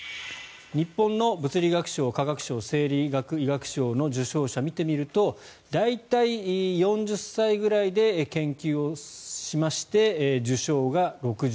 日本の物理学賞、化学賞生理学医学賞の受賞者を見てみますと大体、４０歳くらいで研究をしまして受賞が６５歳。